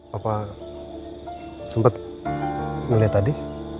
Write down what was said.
papa sempet ngeliat tadi